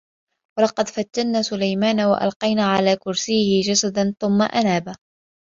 وَلَقَد فَتَنّا سُلَيمانَ وَأَلقَينا عَلى كُرسِيِّهِ جَسَدًا ثُمَّ أَنابَ